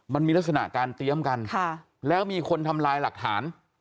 มันมีลักษณะการเตรียมกันแล้วมีคนทำลายหลักฐาน